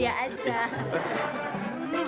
cium dia aja